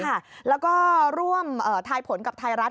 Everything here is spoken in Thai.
ใช่ค่ะแล้วก็ร่วมทายผลกับทายรัฐ